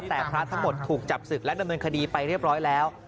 แต่พระทั้งหมดถูกจับศึกและดำเนินคดีไปเรียบร้อยแล้ว